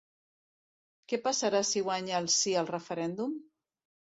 Què passarà si guanya el sí al referèndum?